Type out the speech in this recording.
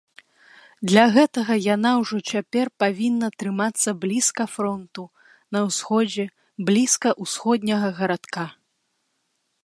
Для гэтага яна ўжо цяпер павінна трымацца блізка фронту, на ўсходзе, блізка ўсходняга гарадка.